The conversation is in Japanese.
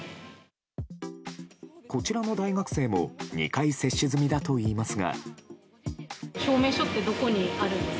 こちらの大学生も２回接種済みだといいますが。